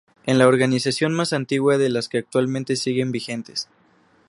Es la organización más antigua de las que actualmente siguen vigentes.